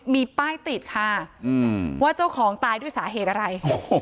มีป้ายติดค่ะว่าเจ้าของตายด้วยสาเหตุอะไร